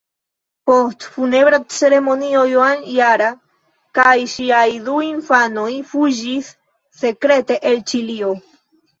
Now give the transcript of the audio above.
Post funebra ceremonio Joan Jara kaj ŝiaj du infanoj fuĝis sekrete el Ĉilio.